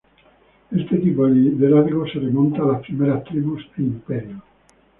Este tipo de liderazgo se remonta a las primeras tribus e imperios.